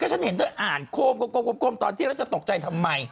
ฉันเห็นเธออ่านโคมกลมตอนที่แล้วจะตกใจทำไม